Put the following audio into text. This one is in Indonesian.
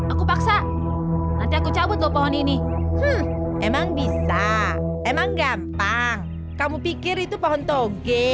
aku paksa nanti aku cabut loh pohon ini emang bisa emang gampang kamu pikir itu pohon toge